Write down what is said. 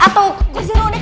atau gue disini udah